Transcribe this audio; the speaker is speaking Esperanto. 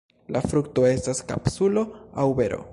La frukto estas kapsulo aŭ bero.